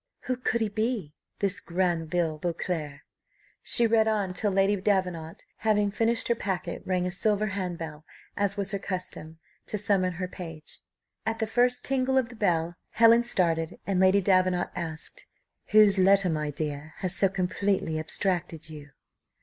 Who could he be, this Granville Beauclerc? She read on till Lady Davenant, having finished her packet, rang a silver handbell, as was her custom, to summon her page. At the first tingle of the bell Helen started, and Lady Davenant asked, "Whose letter, my dear, has so completely abstracted you?"